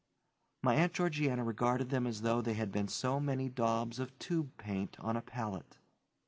My Aunt Georgiana regarded them as though they had been so many daubs of tube paint on a palette.